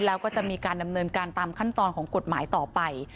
แล้วก็จะมีการดำเนินการตามขั้นตอนของกฎหมายต่อไป